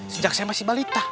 sejak saya masih balita